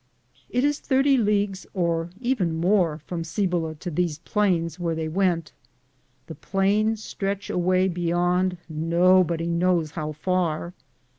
It is 30 leagues, or even more, from Cibola to these plains where they went. The plains stretch away beyond, nobody knows how far.